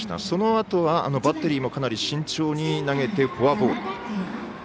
そのあとはバッテリーもかなり慎重に投げてフォアボール。